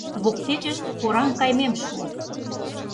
Воктечышт кораҥ кайымем шуо.